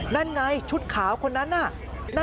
นั่นไงชุดขาวคนนั้นน่ะ